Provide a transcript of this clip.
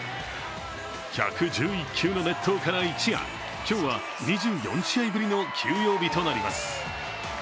１１１球の熱投から一夜、今日は２４試合ぶりの休養日となります。